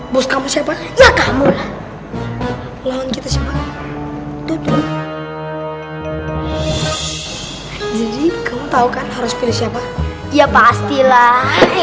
bos kamu siapa ya kamu loh kita simpan tutup jadi kau tahu kan harus pilih siapa ya pastilah